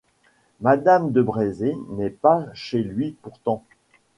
Madame de Brézé n’est pas chez lui pourtant.